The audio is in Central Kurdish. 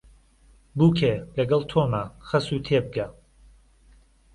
بووکێ لەگەڵ تۆمە خەسوو تێبگە